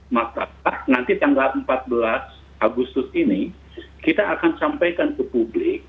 maka nanti tanggal empat belas agustus ini kita akan sampaikan ke publik